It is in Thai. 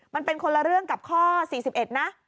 มันเป็นคนละเรื่องกับข้อ๔๑นะ